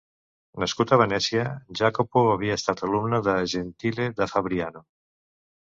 Nascut a Venècia, Jacopo havia estat alumne de Gentile da Fabriano.